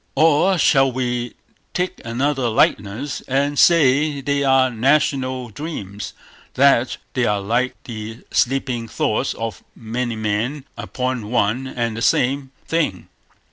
Or shall we take another likeness, and say they are national dreams; that they are like the sleeping thoughts of many men upon one and the same thing.